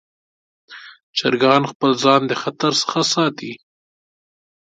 چرګان خپل ځان د خطر څخه ساتي.